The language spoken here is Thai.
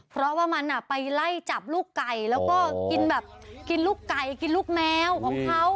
เพราะว่ามันไปไล่จับลูกไก่แล้วก็กินแบบกินลูกไก่กินลูกแมวของเขา